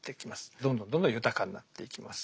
どんどんどんどん豊かになっていきます。